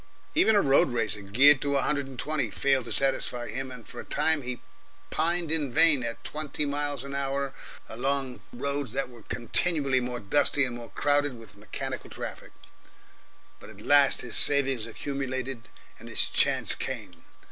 Even a road racer, geared to a hundred and twenty, failed to satisfy him, and for a time he pined in vain at twenty miles an hour along roads that were continually more dusty and more crowded with mechanical traffic. But at last his savings accumulated, and his chance came.